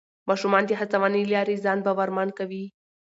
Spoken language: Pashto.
ماشومان د هڅونې له لارې ځان باورمن کوي